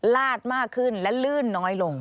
ลาดมากขึ้นและลื่นน้อยลง